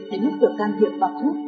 đến lúc được can thiệp bằng thuốc